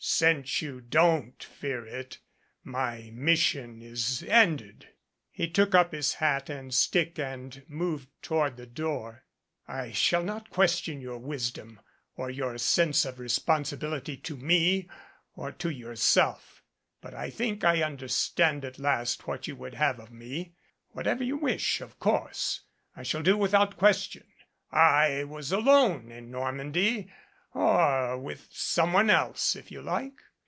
"Since you don't fear it, my mission is ended." He took up his hat and stick and moved toward the door. "I shall not question your wisdom or your sense of re sponsibility to me or to yourself. But I think I under stand at last what you would have of me. Whatever you wish, of course, I shall do without question. I was alone in Normandy or with someone else, if you like.